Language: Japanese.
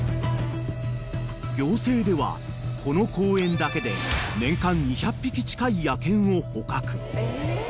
［行政ではこの公園だけで年間２００匹近い野犬を捕獲］